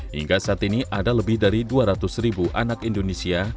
hingga saat ini ada lebih dari dua ratus ribu anak indonesia